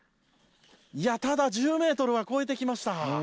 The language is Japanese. いやただ１０メートルは越えてきました。